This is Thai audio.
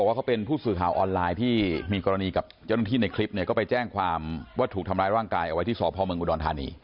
ส่วนเขาจะนำเสริมได้ยังไงเขาจะไปในที่ทางไหนอันนี้